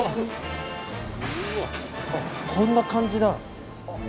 こんな感じだ。